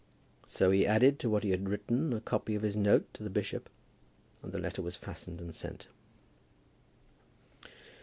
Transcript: So he added to what he had written a copy of his note to the bishop, and the letter was fastened and sent.